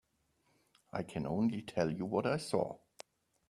I can only tell you what I saw.